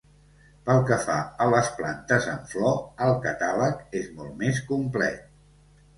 Pel que fa a les plantes amb flor, el catàleg és molt més complet.